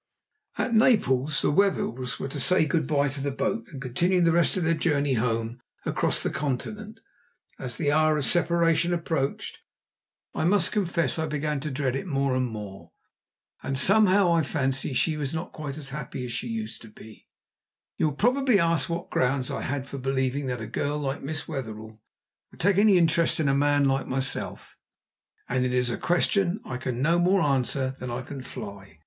At Naples the Wetherells were to say good bye to the boat, and continue the rest of their journey home across the Continent. As the hour of separation approached, I must confess I began to dread it more and more. And somehow, I fancy, she was not quite as happy as she used to be. You will probably ask what grounds I had for believing that a girl like Miss Wetherell would take any interest in a man like myself; and it is a question I can no more answer than I can fly.